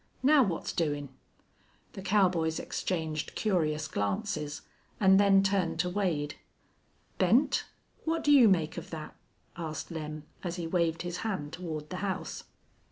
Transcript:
Now, what's doin'?" The cowboys exchanged curious glances, and then turned to Wade. "Bent, what do you make of thet?" asked Lem, as he waved his hand toward the house.